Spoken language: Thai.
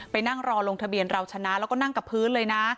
ไปนั่งรอลงทะเบียนเราชนะแล้วก็นั่งกับพื้นเลยนะ